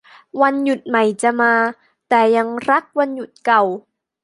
วันหยุดใหม่จะมา แต่ยังรักวันหยุดเก่า